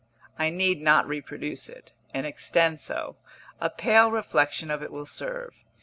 I need not reproduce it in extenso; a pale reflexion of it will serve.